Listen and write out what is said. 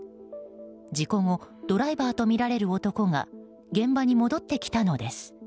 事故後ドライバーとみられる男が現場に戻ってきたのです。